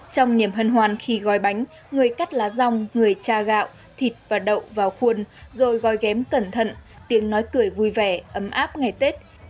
trong niềm hân hoan khi gói bánh người cắt lá rong người cha gạo thịt và đậu vào khuôn rồi gói ghém cẩn thận tiếng nói cười vui vẻ ấm áp ngày tết